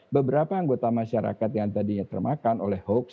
beberapa anggota masyarakat yang tadinya termakan oleh hoax